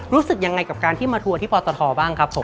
รู้สึกยังไงกับการที่มาทัวร์ที่ปตทบ้างครับผม